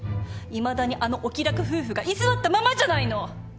いまだにあのお気楽夫婦が居座ったままじゃないの！